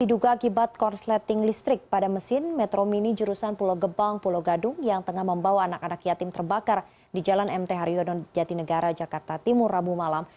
diduga akibat korsleting listrik pada mesin metro mini jurusan pulau gebang pulau gadung yang tengah membawa anak anak yatim terbakar di jalan mt haryono jatinegara jakarta timur rabu malam